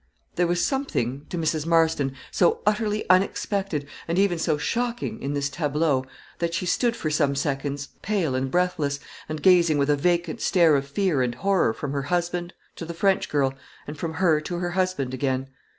There was something, to Mrs. Marston, so utterly unexpected, and even so shocking, in this tableau, that she stood for some seconds pale and breathless, and gazing with a vacant stare of fear and horror from her husband to the French girl, and from her to her husband again.